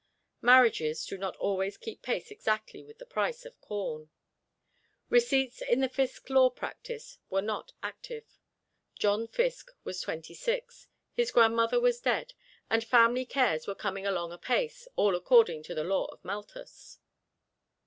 Marriages do not always keep pace exactly with the price of corn. Receipts in the Fiske law office were not active. John Fiske was twenty six; his grandmother was dead, and family cares were coming along apace, all according to the Law of Malthus.